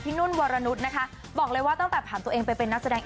นุ่นวรนุษย์นะคะบอกเลยว่าตั้งแต่ผ่านตัวเองไปเป็นนักแสดง